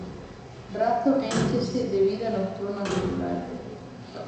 Razo énchese de vida nocturna cultural.